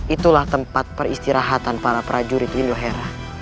itulah tempat peristirahatan para prajurit indohera